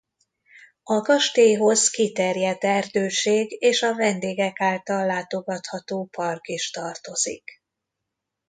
A kastélyhoz kiterjedt erdőség és a vendégek által látogatható park is tartozik.